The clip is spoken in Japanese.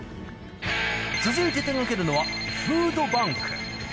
続いて手がけるのはフードバンク。